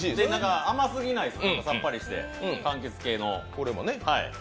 甘すぎないです、さっぱりして、かんきつ系の。